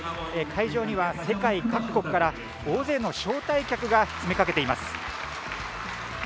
会場には、世界各国から大勢の招待客が詰め掛けています。